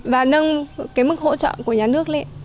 và nâng cái mức hỗ trợ của nhà nước lên